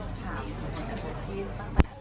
มันเป็นภาษาไทยก็ไม่ได้จัดการ